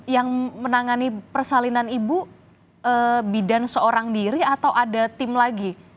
yang menangani persalinan ibu bidan seorang diri atau ada tim lagi